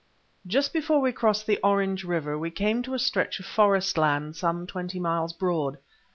Just before we crossed the Orange River we came to a stretch of forest land some twenty miles broad.